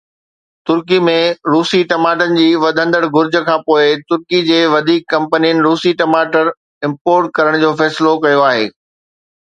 ترڪي ۾ روسي ٽماٽن جي وڌندڙ گهرج کانپوءِ ترڪي جي وڌيڪ ڪمپنين روسي ٽماٽر امپورٽ ڪرڻ جو فيصلو ڪيو آهي.